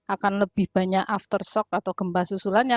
akan lebih banyak aftershock atau gempa susulannya